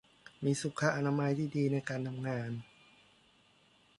มีสุขอนามัยที่ดีในการทำงาน